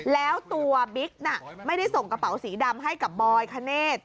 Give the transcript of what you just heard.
แล้วตัวบิ๊กน่ะไม่ได้ส่งกระเป๋าสีดำให้กับบอยคเนธ